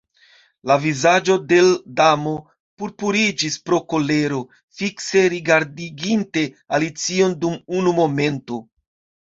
La vizaĝo de l' Damo purpuriĝis pro kolero; fikse rigardeginte Alicion dum unu momento